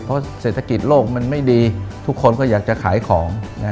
เพราะเศรษฐกิจโลกมันไม่ดีทุกคนก็อยากจะขายของ